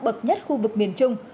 bậc nhất khu vực miền trung